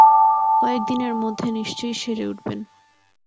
কয়েক দিনের মধ্যে নিশ্চয়ই সেরে উঠবেন।